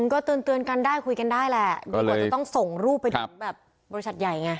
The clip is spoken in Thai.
ก็เตือนกันได้คุยกันได้แหละตำรวจจะต้องส่งรูปไปถึงแบบบริษัทใหญ่ไง